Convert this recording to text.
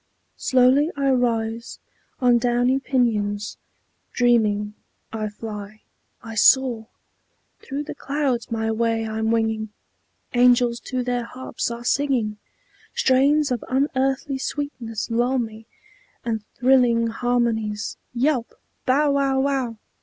slowly I rise On downy pinions; dreaming, I fly, I soar; Through the clouds my way I'm winging, Angels to their harps are singing, Strains of unearthly sweetness lull me, And thrilling harmonies "Yelp! Bow wow wow!"